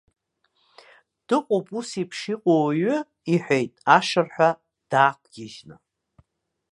Дыҟоуп усеиԥш иҟоу ауаҩы, иҳәеит ашырҳәа даақәгьежьны.